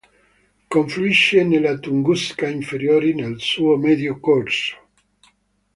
Confluisce nella Tunguska Inferiore nel suo medio corso.